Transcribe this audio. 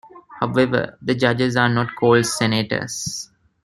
However, the judges are not called "senators".